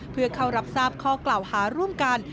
เพื่อเข้ารับทราบข้อกล่าวหาร่วมกัน